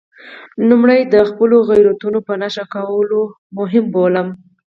لومړی د خپلو غیرتونو په نښه کول مهم بولم.